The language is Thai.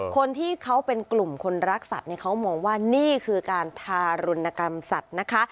คนที่เขาเป็นกลุ่มคนรักสัตว์เขามองว่านี่คือการทารุณกรรมสัตว์นะคะ